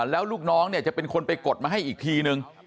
แล้วลูกน้องเนี่ยจะเป็นคนไปกดมาให้อีกทีนึง